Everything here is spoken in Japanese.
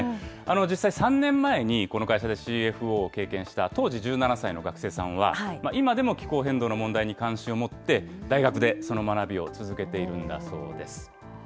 実際、３年前にこの会社でＣＦＯを経験した、当時１７歳の学生さんは、今でも気候変動の問題に関心を持って、大学でその学びを続けているんだそうです。